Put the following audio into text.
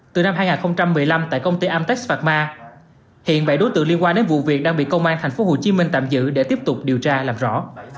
từ năm hai nghìn một mươi năm tại công ty amtex pharma hiện bảy đối tượng liên quan đến vụ việc đang bị công an thành phố hồ chí minh tạm giữ để tiếp tục điều tra làm rõ